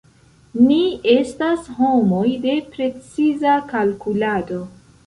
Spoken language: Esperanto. Ni estas homoj de preciza kalkulado.